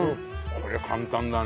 これ簡単だね。